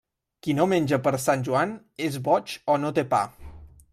Qui no menja per Sant Joan, és boig o no té pa.